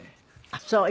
あっそう。